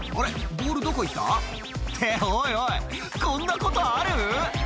ボールどこ行った？っておいおいこんなことある？